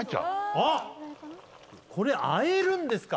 あっこれあえるんですか？